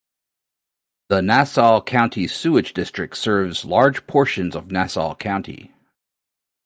The Nassau County Sewage District serves large portions of Nassau County.